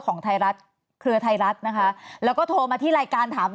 ของไทยรัฐเครือไทยรัฐนะคะแล้วก็โทรมาที่รายการถาม